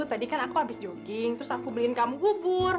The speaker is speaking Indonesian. tadi kan aku habis jogging terus aku beliin kamu kubur